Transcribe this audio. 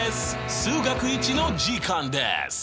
「数学Ⅰ」の時間です！